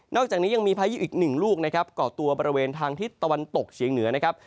อกจากนี้ยังมีพายุอีกหนึ่งลูกนะครับก่อตัวบริเวณทางทิศตะวันตกเฉียงเหนือนะครับ